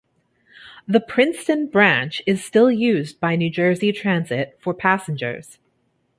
The Princeton Branch is still used by New Jersey Transit for passengers.